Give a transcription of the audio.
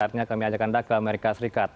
artinya kami ajak anda ke amerika serikat